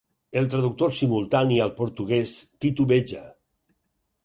El traductor simultani al portuguès titubeja.